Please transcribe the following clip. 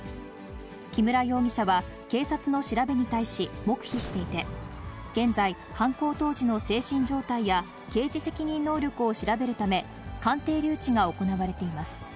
木村容疑者は警察の調べに対し、黙秘していて、現在、犯行当時の精神状態や刑事責任能力を調べるため、鑑定留置が行われています。